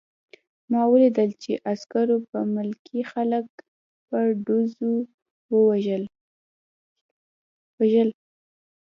ما ولیدل چې عسکرو به ملکي خلک په ډزو وژل